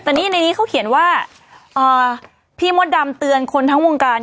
แต่ในนี้เขาเขียนว่าเอ่อพี่หัวดำเตือนคนทางวงการ